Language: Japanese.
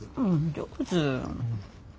上手。